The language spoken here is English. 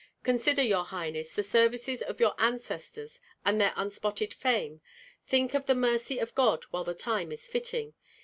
Consider, your highness, the services of your ancestors and their unspotted fame; think of the mercy of God while the time is fitting.